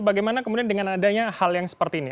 bagaimana kemudian dengan adanya hal yang seperti ini